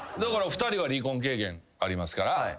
２人は離婚経験ありますから。